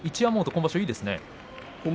今場所いいですね。